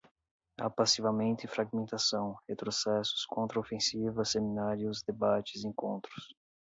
Apassivamento e fragmentação, retrocessos, contraofensiva, seminários, debates, encontros